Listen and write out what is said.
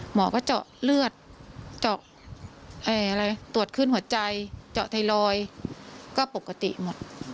หมอก็เจาะเลือดเจาะตรวจขึ้นหัวใจเจาะไทรอยด์ก็ปกติหมด